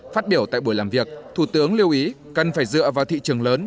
phát biểu tại buổi làm việc thủ tướng lưu ý cần phải dựa vào thị trường lớn